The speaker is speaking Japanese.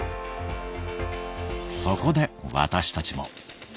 そこで私たちも。